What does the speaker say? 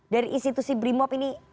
dari institusi brimop ini